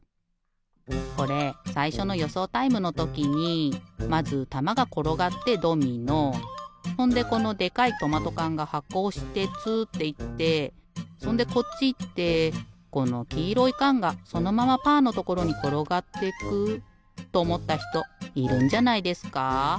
これさいしょのよそうタイムのときにまずたまがころがってドミノほんでこのでかいトマトかんがはこおしてつっていってそんでこっちいってこのきいろいかんがそのままパーのところにころがっていくっとおもったひといるんじゃないですか？